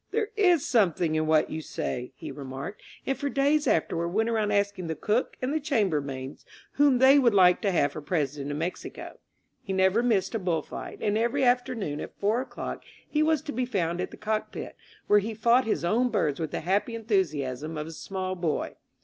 "There is something in what you say," he remarked, and for Hays afterward went around asking the cook and the chambermaids whom they would like to have for President of Mexico. 182 THE HUMAN Sn)E He never missed a bull fight, and every afternoon at four o'clock he was to be found at the cock pit, where he fought his own birds with the happy enthu siasm of a small boy.